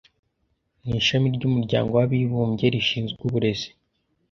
mu Ishami ry’Umuryango w’Abibumbye rishinzwe Uburezi,